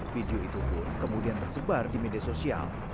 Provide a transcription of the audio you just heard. video itu pun kemudian tersebar di media sosial